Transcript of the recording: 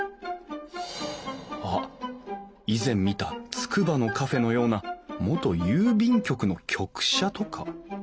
あっ以前見たつくばのカフェのような元郵便局の局舎とか？